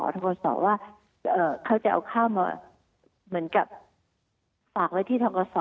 ธศว่าเขาจะเอาข้าวมาฝากไว้ที่ธศ